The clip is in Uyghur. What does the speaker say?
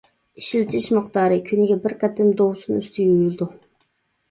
ئىشلىتىش مىقدارى: كۈنىگە بىر قېتىم دوۋسۇن ئۈستى يۇيۇلىدۇ.